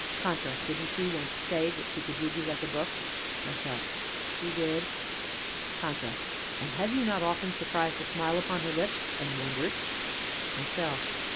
CONTRA. Didn't she once say that she could read you like a book? MYSELF. She did. CONTRA. And have you not often surprised a smile upon her lips, and wondered? MYSELF.